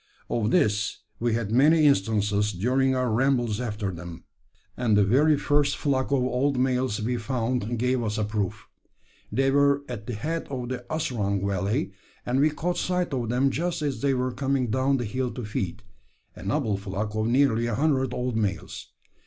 Of this we had many instances during our rambles after them, and the very first flock of old males we found gave us a proof. They were at the head of the Asrung valley, and we caught sight of them just as they were coming down the hill to feed a noble flock of nearly a hundred old males.